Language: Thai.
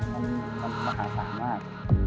มันมากมาก